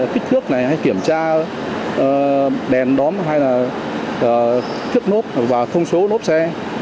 kích thước này hay kiểm tra đèn đóm hay là thước nốt và thông số nốt xe